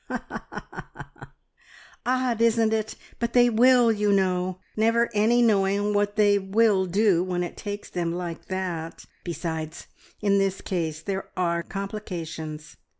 "Odd, isn't it; but they will, you know. Never any knowing what they will do when it takes them like that. Besides, in this case there are complications.